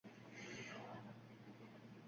Har bir harakatingiz kuzatuv ostida bo'larkan